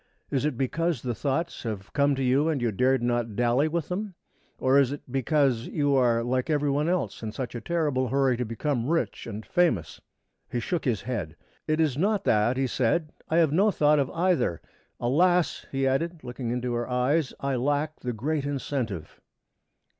Is it because the thoughts have come to you and you dared not daily with them? Or is it because you are like every one else in such a terrible hurry to become rich and famous?" He shook his head. "It is not that," he said. "I have no thought of either. Alas!" he added, looking into her eyes, "I lack the great incentive!"